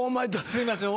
すいません。